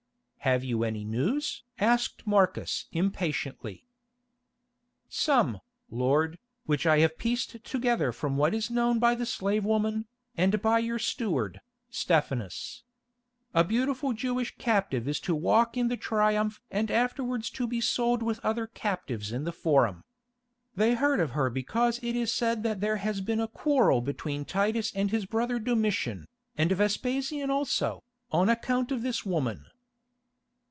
"Have you any news?" asked Marcus impatiently. "Some, lord, which I have pieced together from what is known by the slave woman, and by your steward, Stephanus. A beautiful Jewish captive is to walk in the Triumph and afterwards to be sold with other captives in the Forum. They heard of her because it is said that there has been a quarrel between Titus and his brother Domitian, and Vespasian also, on account of this woman."